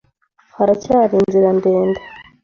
Haracyari inzira ndende.